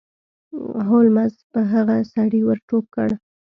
هولمز په هغه سړي ور ټوپ کړ.